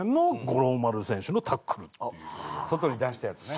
外に出したやつね。